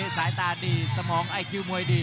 สายตาดีสมองไอคิวมวยดี